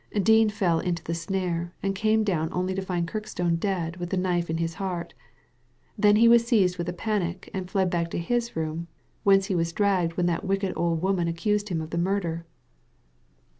Dean fell into the snare, and came down only to find Kirkstone dead with the knife in his heart Then he was seized with a panic, and fled back to his room, whence he was dragged when that wicked old woman accused him of the murder